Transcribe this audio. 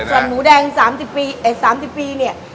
แต่ว่านี่ก้านหมูแดง๓๐ปีเอียกษางสิบปีเนี่ย